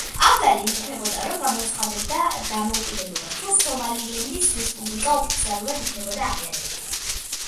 ავდალი იმუქრებოდა, რომ გამოაცხადებდა დამოუკიდებლობას, თუ სომალილენდის რესპუბლიკა ოფიციალურად იქნებოდა აღიარებული.